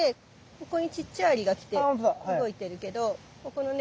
ここにちっちゃいアリが来て動いてるけどここのね